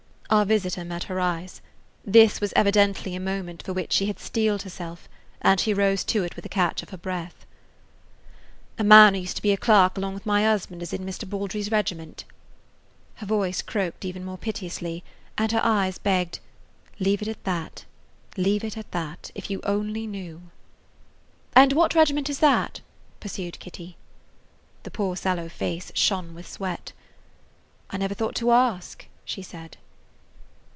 Our visitor met her eyes. This was evidently a moment for which she had steeled herself, and she rose to it with a catch of her breath. "A man who used to be a clerk along with my husband is in Mr. Baldry's regiment." Her voice croaked even more piteously, and her eyes [Page 24] begged: "Leave it at that! Leave it at that! If you only knew–" "And what regiment is that?" pursued Kitty. The poor sallow face shone with sweat. "I never thought to ask," she said.